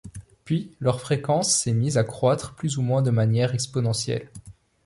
Puis leur fréquence s'est mise à croître plus ou moins de manière exponentielle.